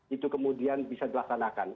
itu kemudian bisa dilaksanakan